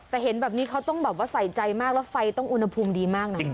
แต่เห็นแบบนี้เขาต้องแบบว่าใส่ใจมากแล้วไฟต้องอุณหภูมิดีมากนะ